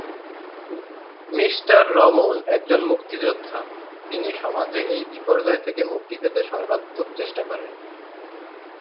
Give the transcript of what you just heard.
Mr Raman একজন মুক্তিযোদ্ধা, যিনি সমাজে এই বিপর্যয় থেকে মুক্তি পেতে সর্বাত্মক চেষ্টা করেন।